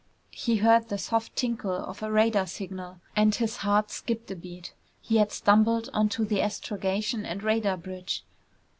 He heard the soft tinkle of a radar signal and his heart skipped a beat. He had stumbled onto the astrogation and radar bridge.